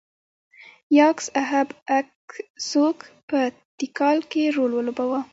یاکس اهب اکسوک په تیکال کې رول ولوباوه.